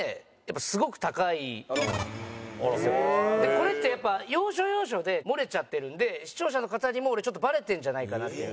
これってやっぱ要所要所で漏れちゃってるんで視聴者の方にもちょっとバレてるんじゃないかなっていう。